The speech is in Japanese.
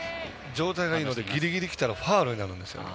状態がいいのでぎりぎりできたらファウルになるんです。